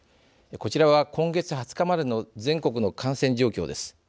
こちらは今月２０日までの全国の感染状況です。